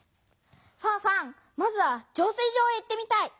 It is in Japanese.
ファンファンまずは浄水場へ行ってみたい。